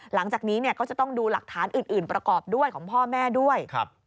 หลังจากนี้ก็จะต้องดูหลักฐานอื่นประกอบด้วยของพ่อแม่ด้วย